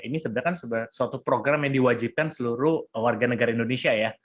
ini sebenarnya kan suatu program yang diwajibkan seluruh warga negara indonesia ya